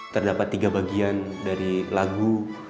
terdapat tiga bagian dari lagu